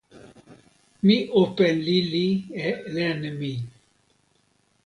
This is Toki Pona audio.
mi open lili e len mi.